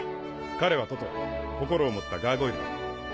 彼はトト心を持ったガーゴイルだ。